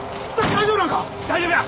大丈夫や。